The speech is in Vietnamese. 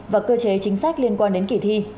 và cơ chế chính sách liên quan đến kỳ thi